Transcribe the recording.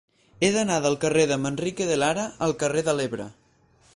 He d'anar del carrer de Manrique de Lara al carrer de l'Ebre.